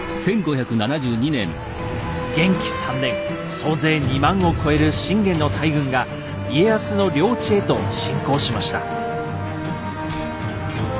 総勢２万を超える信玄の大軍が家康の領地へと侵攻しました。